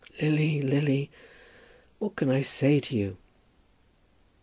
"Lily, Lily, what can I say to you?"